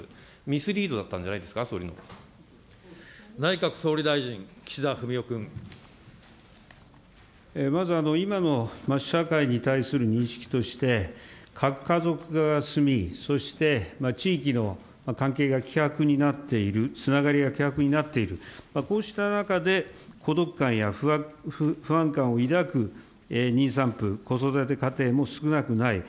ミスリードだったんじゃないです内閣総理大臣、まず、今の社会に対する認識として、核家族化が進み、そして地域の関係が希薄になっている、つながりが希薄になっている、こうした中で、孤独感や不安感を抱く妊産婦、子育て家庭も少なくない。